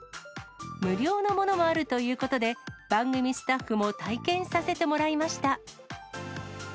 無料のものもあるということで、番組スタッフも体験させてもらいました。